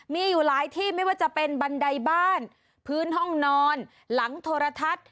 มีอยู่หลายที่ไม่ว่าจะเป็นบันไดบ้านพื้นห้องนอนหลังโทรทัศน์